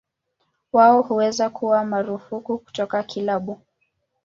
Wao huweza kuwa marufuku kutoka kilabu.